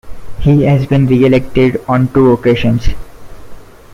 He has been re-elected on two occasions.